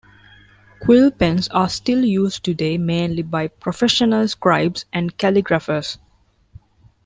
Quill pens are still used today mainly by professional scribes and calligraphers.